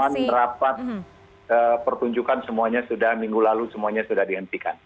selama rapat pertunjukan semuanya sudah minggu lalu semuanya sudah dihentikan